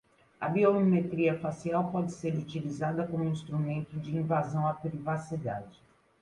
A biometria facial pode ser utilizada como instrumento de invasão à privacidade